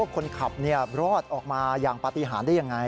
คนขับรอดออกมาอย่างปฏิหารได้ยังไง